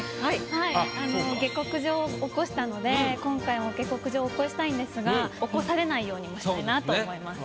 はいあの下克上を起こしたので今回も下克上を起こしたいんですが起こされないようにもしたいなと思います。